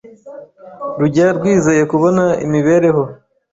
rujya rwizeye kubona imibereho.